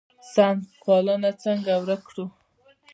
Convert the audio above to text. سمت پالنه څنګه ورک کړو؟